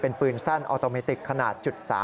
เป็นปืนสั้นออโตเมติกขนาด๓